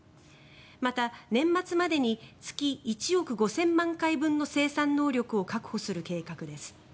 また、年末までに月１億５０００万回分の生産能力を確保する計画です。